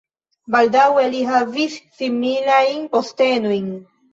Baldaŭe li havis similajn postenojn.